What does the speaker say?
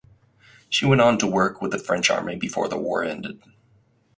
She went on to work with the French army before the war ended.